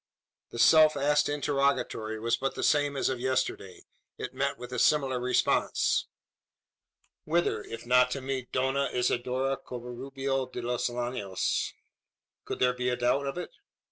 The self asked interrogatory was but the same as of yesterday. It met with a similar response. Whither, if not to meet Dona Isidora Covarubio de los Llanos? Could there be a doubt of it?